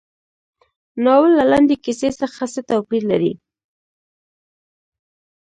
ناول له لنډې کیسې څخه څه توپیر لري.